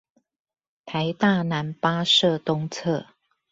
臺大男八舍東側